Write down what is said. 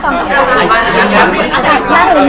ตอนกลางอย่างไรเลย